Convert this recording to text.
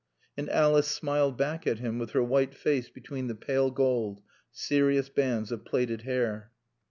And Alice smiled back at him with her white face between the pale gold, serious bands of platted hair.